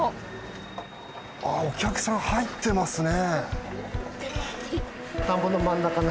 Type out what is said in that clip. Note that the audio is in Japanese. ああお客さん入ってますね！